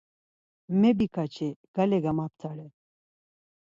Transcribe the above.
Mebikaçi, gale gamaptare.